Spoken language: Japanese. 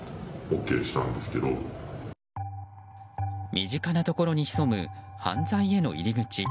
身近なところに潜む犯罪への入り口。